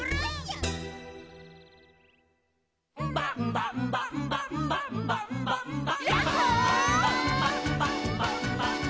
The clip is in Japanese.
「ンバンバンバンバンバンバンバンバ」「」「」「」